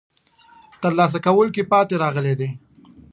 ترلاسه کولو کې پاتې راغلي دي.